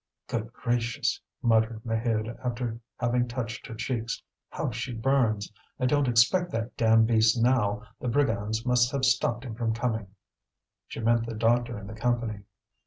"Good gracious!" muttered Maheude, after having touched her cheeks, "how she burns! I don't expect that damned beast now, the brigands must have stopped him from coming." She meant the doctor and the Company.